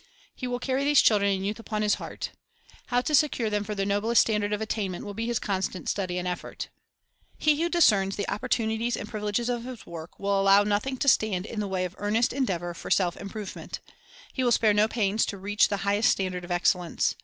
He will carry these children and youth upon his heart. How to secure for them the noblest standard of attainment will be his constant study and effort. He who discerns the opportunities and privileges of his work will allow nothing to stand in the way of earnest endeavor for self improvement. He will spare no pains to reach the highest standard of excellence.